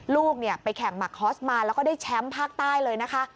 ลูกไปแข่งมักคอสมาแล้วก็ได้แชมป์ภาคใต้เลยนะคะ